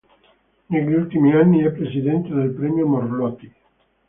Negli ultimi anni è presidente del premio Morlotti.